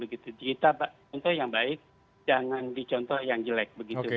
jadi kita contoh yang baik jangan dicontoh yang jelek